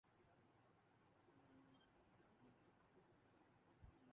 انہوں نے کئی بارعلما کو براہ راست مخاطب کیا ہے۔